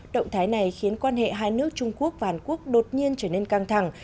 động thái này khiến quan hệ hai nước trung quốc và hàn quốc đột nhiên trở nên căng thẳng